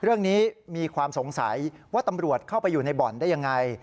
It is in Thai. มีความสงสัยว่าตำรวจเข้าไปอยู่ในบ่อนได้ยังไง